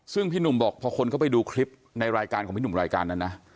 ซึ่งพี่หนุ่มบอกพอคนเข้าไปดูคลิปในรายการของพี่หนุ่มรายการนั้นนะ